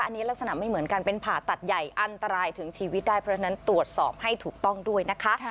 อันนี้ลักษณะไม่เหมือนกันเป็นผ่าตัดใหญ่อันตรายถึงชีวิตได้เพราะฉะนั้นตรวจสอบให้ถูกต้องด้วยนะคะ